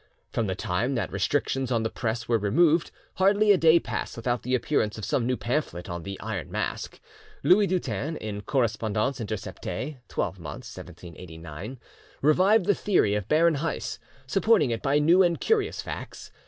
From the time that restrictions on the press were removed, hardly a day passed without the appearance of some new pamphlet on the Iron Mask. Louis Dutens, in 'Correspondence interceptee' (12mo, 1789), revived the theory of Baron Heiss, supporting it by new and curious facts.